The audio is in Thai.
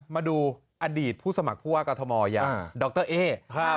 มาดูอดีตภูตสมัครผู้หากตมอย่างดรเอ๊ครับ